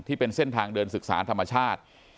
ที่เป็นเส้นทางเดินศึกษาธรรมชาติ